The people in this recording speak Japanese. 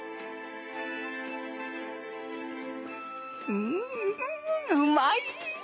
うんうんうまい！